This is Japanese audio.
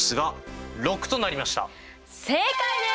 正解です！